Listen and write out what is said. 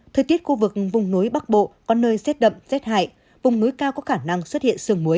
thời tiết khu vực vùng núi bắc bộ có nơi rét đậm rét hại vùng núi cao có khả năng xuất hiện sương muối